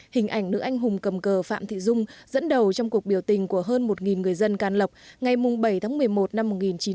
hình ảnh nữ anh hùng cầm cờ phạm thị dung dẫn đầu trong cuộc biểu tình của hơn một người dân can lộc ngày bảy tháng một mươi một năm một nghìn chín trăm bảy mươi